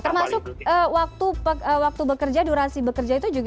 termasuk waktu bekerja durasi bekerja itu juga